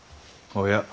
おや。